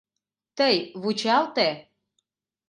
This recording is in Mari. «Тый вучалте.